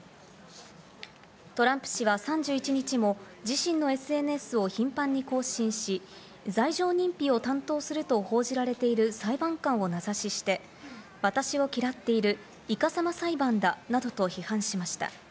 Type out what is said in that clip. トランプ氏は３１日も自身のＳＮＳを頻繁に更新し、罪状認否を担当すると報じられている裁判官を名指しして、私を嫌っている、いかさま裁判だなどと批判しました。